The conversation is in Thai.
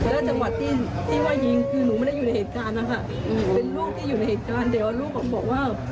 ลูกต่อหน้าลูกนี่นะ